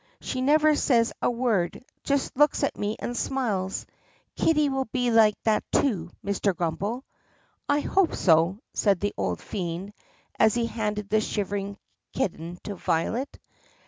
She never says a word — just looks at me and smiles. Kitty will be like that too, Mr. Grummbel." "I hope so." said the old fiend as he handed the shivering kitten to Violet.